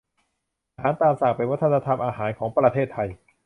อาหารตามสั่ง เป็นวัฒนธรรมอาหารของประเทศไทย